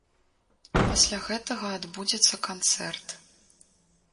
Пасля гэтага адбудзецца канцэрт.